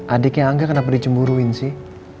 adiknya angga kenapa dicemburuin sih